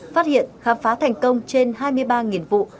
phát hiện khám phá thành công trên hai mươi ba vụ